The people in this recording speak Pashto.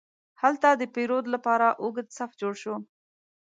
هلته د پیرود لپاره اوږد صف جوړ شو.